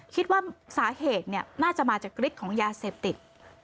คิดว่าสาเหตุน่าจะมาจากฤทธิ์ของยาเสพติด